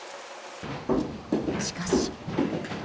しかし。